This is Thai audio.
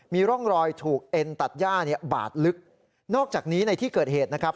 มีร่องรอยถูกเอ็นตัดย่าเนี่ยบาดลึกนอกจากนี้ในที่เกิดเหตุนะครับ